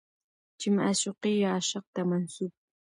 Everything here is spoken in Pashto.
چې معشوقې يا عاشق ته منسوب